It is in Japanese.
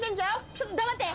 ちょっと黙って。